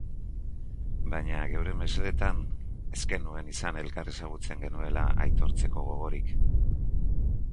Baina geure mesedetan ez genuen izan elkar ezagutzen genuela aitortzeko gogorik.